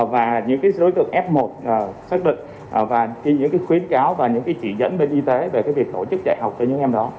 và những cái đối tượng f một xác định và những cái khuyến cáo và những cái chỉ dẫn bên y tế về cái việc tổ chức trại học cho những em đó